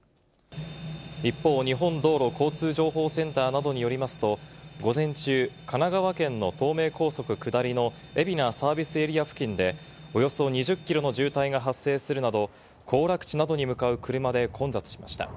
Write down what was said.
一方、日本道路交通情報センターなどによりますと、午前中、神奈川県の東名高速下りの海老名サービスエリア付近でおよそ２０キロの渋滞が発生するなど、行楽地などに向かう車で混雑しました。